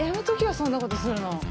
そんなことするの。